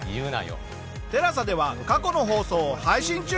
ＴＥＬＡＳＡでは過去の放送を配信中。